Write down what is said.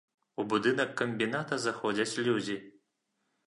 У будынак камбіната заходзяць людзі.